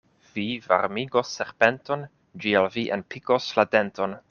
Vi varmigos serpenton, ĝi al vi enpikos la denton.